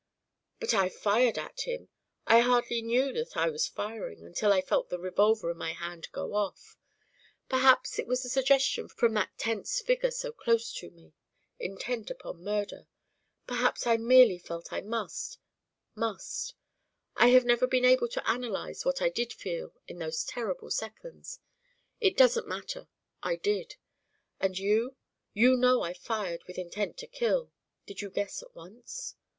"But I fired at him. I hardly knew that I was firing, until I felt the revolver in my hand go off. Perhaps it was a suggestion from that tense figure so close to me, intent upon murder. Perhaps I merely felt I must must I have never been able to analyse what I did feel in those terrible seconds. It doesn't matter. I did. And you? You know I fired with intent to kill. Did you guess at once?"